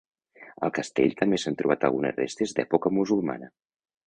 Al castell també s'han trobat algunes restes d'època musulmana.